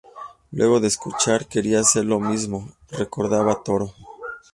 Luego de escucharla quería hacer lo mismo", recordaba Toro.